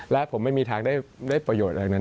และผมไม่มีทางได้ประโยชน์อะไรนั้น